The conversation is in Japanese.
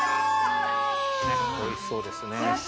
おいしそうですね